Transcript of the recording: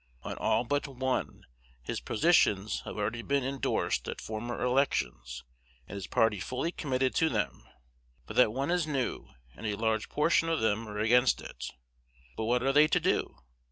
On all but one his positions have already been indorsed at former elections, and his party fully committed to them; but that one is new, and a large portion of them are against it. But what are they to do?